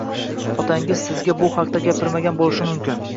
Otangiz sizga bu haqda gapirmagan bo`lishi mumkin